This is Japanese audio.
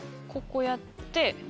ここやって。